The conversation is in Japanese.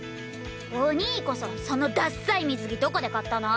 お兄こそそのダッサい水着どこで買ったの？